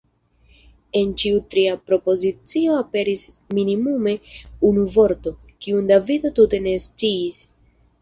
En ĉiu tria propozicio aperis minimume unu vorto, kiun Davido tute ne sciis.